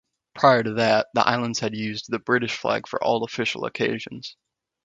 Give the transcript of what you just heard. Prior to that, the Islands had used the British flag for all official occasions.